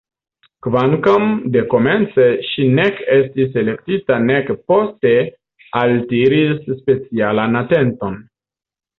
Kvankam dekomence ŝi nek estis elektita nek poste altiris specialan atenton.